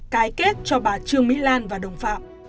cái kết cho bà trương mỹ lan và đồng phạm